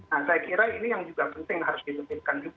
nah saya kira ini yang juga penting harus ditetipkan juga